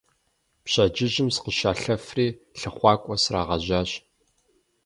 Пщэдджыжьым сыкъыщалъэфри лъыхъуакӀуэ срагъэжьащ.